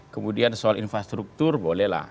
kemudian soal infrastruktur bolehlah